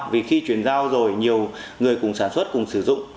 vì khi chuyển giao rồi nhiều người cùng sản xuất cùng sử dụng